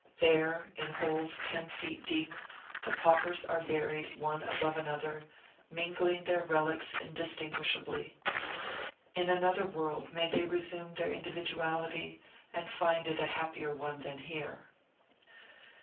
There, in holes ten feet deep, the paupers are buried one above another, mingling their relics indistinguishably. In another world may they resume their individuality, and find it a happier one than here!